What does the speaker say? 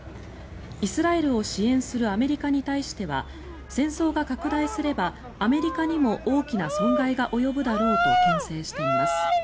イスラエルを支援するアメリカに対しては戦争が拡大すればアメリカにも大きな損害が及ぶだろうとけん制しています。